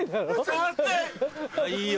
いいよ！